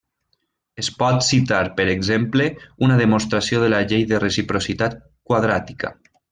Es pot citar per exemple una demostració de la llei de reciprocitat quadràtica.